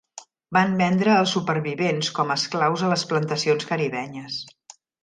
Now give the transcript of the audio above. Van vendre els supervivents com esclaus a les plantacions caribenyes.